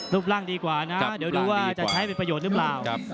รูปร่างดีกว่านะเดี๋ยวดูว่าจะใช้เป็นประโยชน์หรือเปล่า